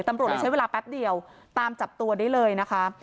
ตำรวจเลยใช้เวลาแป๊บเดียวตามจับตัวได้เลยนะคะ